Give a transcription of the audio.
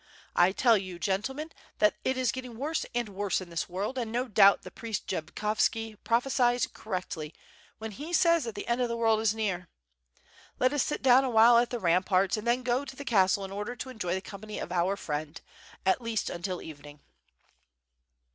I tell you, gentlemen, that it is getting worse and worse in this world, and no doubt the priest Jabkovski prophecies correctly when he says that the end of the world is near. Let us sit down awhile at the WITH FIRE AND SWOED. 757 ramparts, and then go to the castle in order to enjoy the company of our friend, at least until evening."